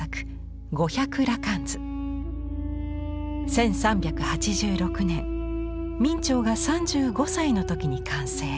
１３８６年明兆が３５歳の時に完成。